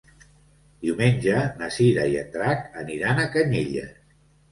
Diumenge na Cira i en Drac aniran a Canyelles.